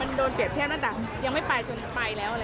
มันโดนเปรียบเทียบตั้งแต่ยังไม่ไปจนไปแล้วเลย